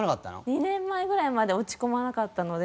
２年前ぐらいまで落ち込まなかったので。